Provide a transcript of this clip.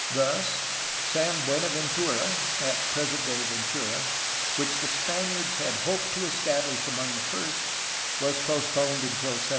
Thus, San Buenaventura (at present day Ventura), which the Span iards had hoped to estabhsh among the first, was postponed until 1782.